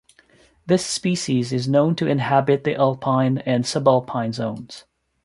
This species is known to inhabit the alpine and subalpine zones.